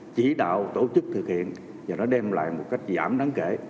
chỉ đạo tổ chức thực hiện và nó đem lại một cách giảm đáng kể